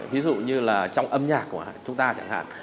ví dụ như là trong âm nhạc của chúng ta chẳng hạn